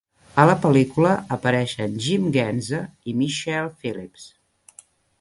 A la pel·lícula apareixen Jim Ganzer i Michelle Phillips.